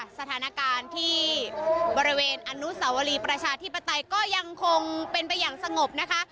สถานการณ์ที่บริเวณอนุสาวรีประชาธิปไตยก็ยังคงเป็นไปอย่างสงบนะคะ